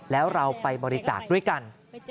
แล้วเราไปบริจาคด้วยกัน